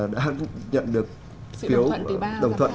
đã nhận được phiếu đồng thuận